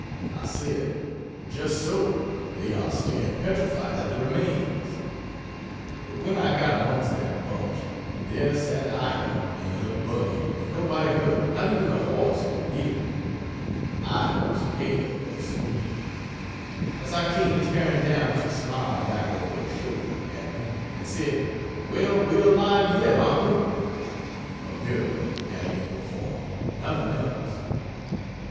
I said, "Just so they are staring petrified at the remains." But when I got amongst that bunch, there sat Ida in her buggy and nobody hurt, not even the horse or the vehicle. Ida was pale but serene. As I came tearing down, she smiled back over her shoulder at me and said, "Well, we're alive yet, aren't we?" A miracle had been performed nothing else.